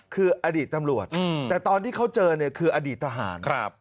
คืออดีตตำรวจแต่ตอนที่เขาเจอเนี่ยคืออดีตทหาร